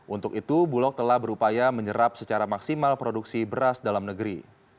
untuk itu bulog telah berupaya menyerap secara maksimal produksi beras dalam negeri